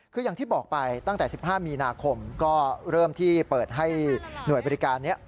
คืออย่างที่บอกไปตั้งแต่๑๕มีนาคมก็เริ่มที่เปิดให้หน่วยบริการนี้